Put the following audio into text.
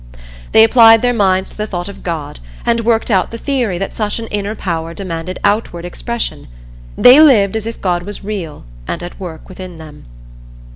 They applied their minds to the thought of God, and worked out the theory that such an inner power demanded outward expression. They lived as if God was real and at work within them.